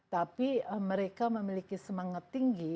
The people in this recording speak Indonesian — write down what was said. tapi mereka memiliki semangat tinggi